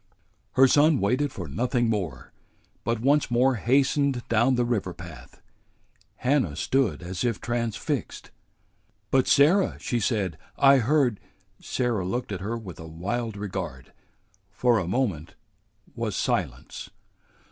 Her son waited for nothing more, but once more hastened down the river path. Hannah stood as if transfixed. "But, Sarah," she said, "I heard " Sarah looked at her with a wild regard. For a moment was silence.